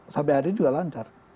sampai hari ini juga lancar